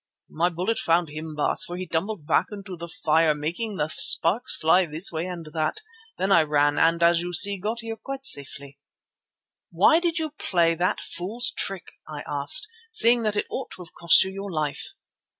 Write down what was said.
My bullet found him, Baas, for he tumbled back into the fire making the sparks fly this way and that. Then I ran and, as you see, got here quite safely." "Why did you play that fool's trick?" I asked, "seeing that it ought to have cost you your life?"